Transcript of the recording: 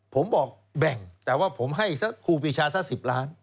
ผมบอกแบ่งแต่ว่าผมให้ครูปีชาซะ๑๐ล้าน